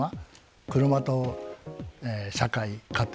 車と社会家庭